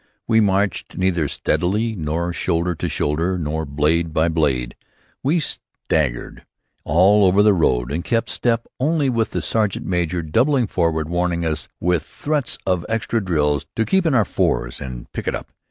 We marched neither steadily, nor shoulder to shoulder, nor blade by blade. We straggled all over the road, and kept step only when the sergeant major doubled forward, warning us, with threats of extra drills, to keep in our fours or to "pick it up!"